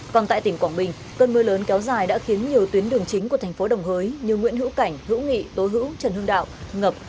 còn tại tỉnh quảng bình cơn mưa lớn kéo dài đã khiến nhiều tuyến đường chính của thành phố đồng hới như nguyễn hữu cảnh hữu nghị tố hữu trần hưng đạo ngập